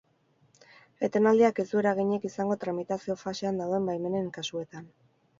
Etenaldiak ez du eraginik izango tramitazio fasean dauden baimenen kasuetan.